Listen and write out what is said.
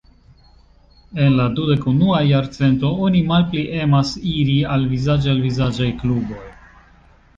En la dudek-unua jarcento, oni malpli emas iri al vizaĝ-al-vizaĝaj kluboj.